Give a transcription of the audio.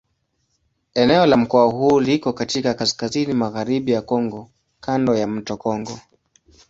Eneo la mkoa huu liko katika kaskazini-magharibi ya Kongo kando ya mto Kongo.